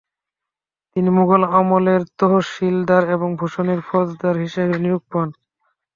তিনি মুঘল আমলে তহশীলদার এবং ভূষণের ফৌজদার হিসেবে নিয়োগ পান।